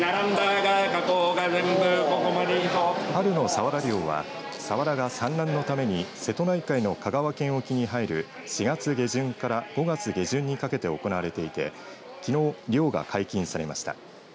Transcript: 春のサワラ漁はサワラが産卵のために瀬戸内海の香川県沖に入る４月下旬から５月下旬にかけて行われていてきのう、漁が解禁されました。